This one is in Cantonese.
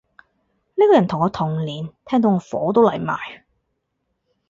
呢個人同我同年，聽到我火都嚟埋